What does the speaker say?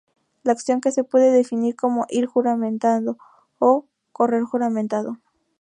La acción de se puede definir como "ir juramentado" o "correr juramentado.